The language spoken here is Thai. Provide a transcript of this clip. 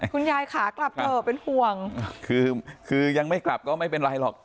คุณยายขากลับเถอะเป็นห่วงคือคือยังไม่กลับก็ไม่เป็นไรหรอก